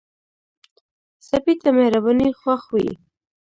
سپي ته مهرباني خوښ وي.